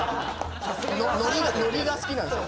ノリが好きなんですよ